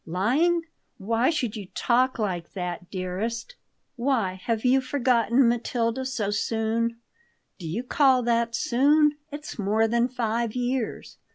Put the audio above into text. "Lying? Why should you talk like that, dearest?" "Why, have you forgotten Matilda so soon?" "Do you call that soon? It's more than five years."